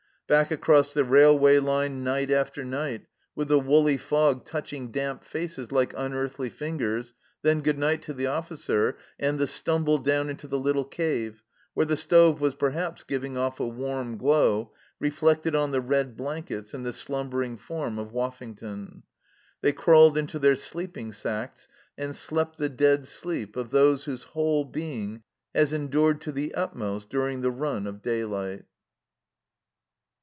Back across the railway line night after night, with the woolly fog touching damp faces like un earthly fingers, then good night to the officer, and the stumble down into the little " cave," where the stove was perhaps giving off a warm glow, reflected on the red blankets and the slumbering form of Woffington. They crawled into their sleeping sacks, and slept the dead sleep of those whose whole being has endured to the utmost during the run of daylight.